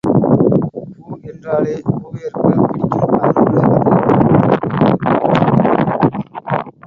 பூ என்றாலே பூவையர்க்குப் பிடிக்கும் அதனோடு அது பொற்பூ என்றதும் சொல்லவும் வேண்டுமா?